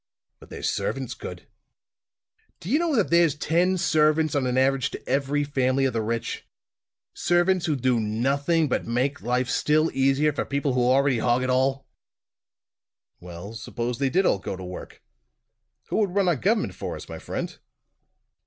"But their servants could. Do you know that there's ten servants, on an average, to every family of the rich? Servants who do nothing but make life still easier for people who already hog it all!" "Well, suppose they did all go to work; who would run our government for us, my friend?"